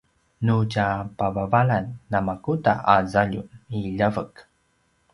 nu tja pavavalan namakuda a zaljum i ljavek?